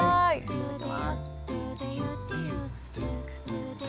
いただきます。